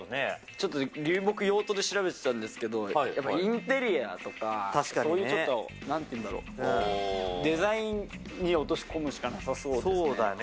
ちょっと流木用途で調べてたんですけど、やっぱインテリアとか、そういうちょっとなんていうんだろう、デザインに落とし込むそうだね。